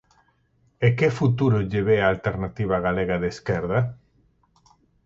E que futuro lle ve a Alternativa Galega de Esquerda?